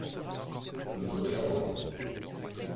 notre chambre.